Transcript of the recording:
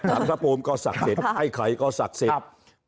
สามสะปูมก็ศักดิ์สิทธิ์ไข่ไข่ก็ศักดิ์สิทธิ์ครับอ่า